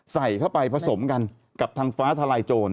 ใส่เข้าไปผสมกันกับทางฟ้าทลายโจร